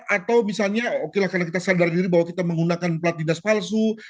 atau misalnya okelah karena kita sadar diri bahwa kita menggunakan plat dinas palsu